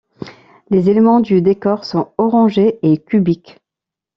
Les éléments du décor sont orangés et cubiques.